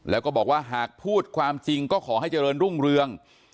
แล้วก็บอกว่าหากพูดความจริงก็ขอให้เจริญรุ่งเรือง